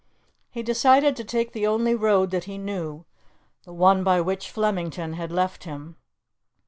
He decided to take the only road that he knew, the one by which Flemington had left him.